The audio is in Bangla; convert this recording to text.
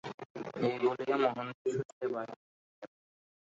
এই বলিয়া মহেন্দ্র ছুটিয়া বাহির হইয়া গেল।